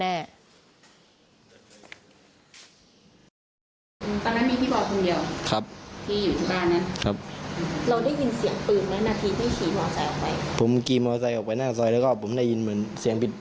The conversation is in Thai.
ออกจากบ้านกลับหน้าซอยประมาณ๒๐เมตรได้มั้ยครับ